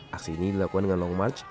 aksi ini dilakukan dengan long march